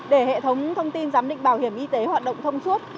để hệ thống thông tin giám định bảo hiểm y tế hoạt động thông suốt